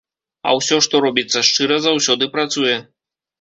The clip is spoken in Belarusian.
А ўсё, што робіцца шчыра, заўсёды працуе.